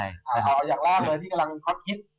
อยากลากเลยที่กำลังคลอดฮิต